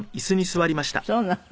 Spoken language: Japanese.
そうなの？